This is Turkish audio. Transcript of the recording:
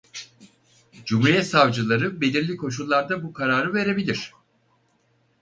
Cumhuriyet savcıları belirli koşullarda bu kararı verebilir.